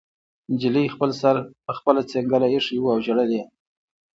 نجلۍ خپل سر په خپله څنګله ایښی و او ژړل یې